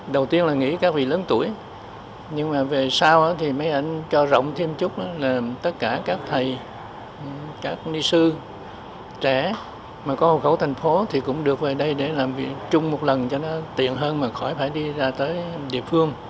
đầu tiên là nghĩ các vị lớn tuổi nhưng mà về sau thì mấy anh cho rộng thêm chút là tất cả các thầy các ni sư trẻ mà có hồ khẩu thành phố thì cũng được về đây để làm việc chung một lần cho nó tiện hơn mà khỏi phải đi ra tới địa phương